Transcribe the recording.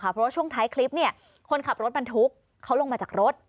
เพราะว่าช่วงท้ายคลิปคนขับรถบรรทุกเขาลงมาจากรถ